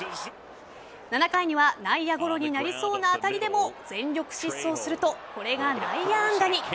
７回には内野ゴロになりそうな当たりでも全力疾走するとこれが内野安打に。